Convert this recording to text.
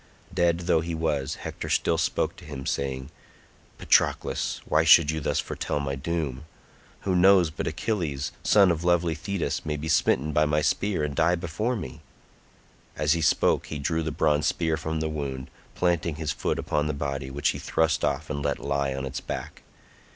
Dead though he was, Hector still spoke to him saying, "Patroclus, why should you thus foretell my doom? Who knows but Achilles, son of lovely Thetis, may be smitten by my spear and die before me?" As he spoke he drew the bronze spear from the wound, planting his foot upon the body, which he thrust off and let lie on its back.